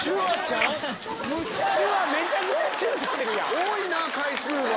多いな回数が。